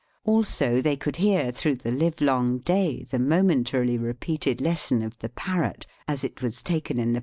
Also they could hear through the hvelong day the momentarily repeated lesson of the parrot, as it was taken in the pro VOL.